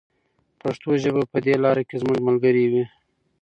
پښتو ژبه به په دې لاره کې زموږ ملګرې وي.